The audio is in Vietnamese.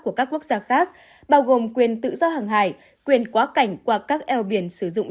của các quốc gia khác bao gồm quyền tự do hàng hải quyền quá cảnh qua các eo biển sử dụng